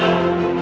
kalau ada bunyi